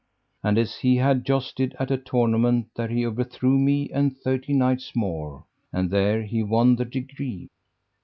And as he had jousted at a tournament there he overthrew me and thirty knights more, and there he won the degree.